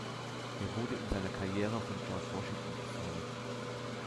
Er wurde in seiner Karriere von George Washington gefördert.